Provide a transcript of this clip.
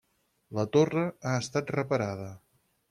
La torre ha estat reparada.